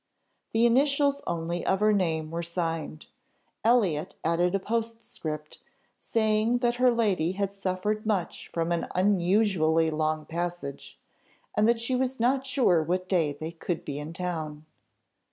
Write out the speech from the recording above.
The initials only of her name were signed. Elliot added a postscript, saying that her lady had suffered much from an unusually long passage, and that she was not sure what day they could be in town.